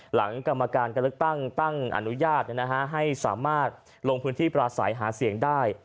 หลังกรรมการการเลือกตั้งตั้งอนุญาตให้สามารถลงพื้นที่ปราศัยหาเสียงได้